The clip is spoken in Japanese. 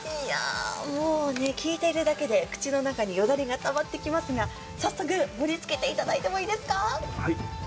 もうね、聞いているだけで口の中によだれがたまってきますが早速、盛りつけていただいてもいいですか？